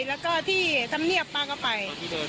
แล้วก็ที่ธรรมเนียบป้าก็ไป